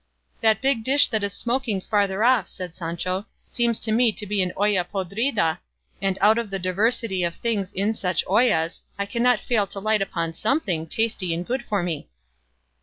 "That big dish that is smoking farther off," said Sancho, "seems to me to be an olla podrida, and out of the diversity of things in such ollas, I can't fail to light upon something tasty and good for me."